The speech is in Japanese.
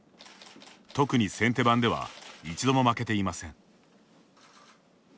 特に先手番では一度も負けていません。